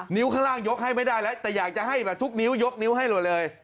ข้างล่างยกให้ไม่ได้แล้วแต่อยากจะให้แบบทุกนิ้วยกนิ้วให้หลัวเลย